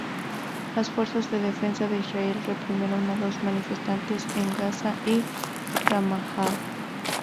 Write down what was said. Las Fuerzas de Defensa de Israel reprimieron a los manifestantes en Gaza y Ramallah.